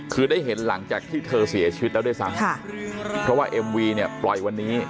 คือได้เห็นหลังจากที่เธอเสียชีวิตแล้วด้วยซ้ำค่ะเพราะว่าเอ็มวีเนี่ยปล่อยวันนี้